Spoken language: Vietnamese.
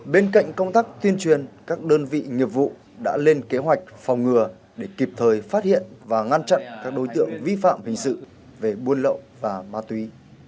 bên cạnh công tác tuyên truyền các đơn vị nghiệp vụ đã lên kế hoạch phòng ngừa để kịp thời phát hiện và ngăn chặn các đối tượng vi phạm hình sự về buôn lậu và ma túy